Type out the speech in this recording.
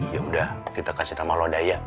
ya udah kita kasih nama lo dayak